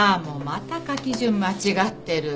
また書き順間違ってる。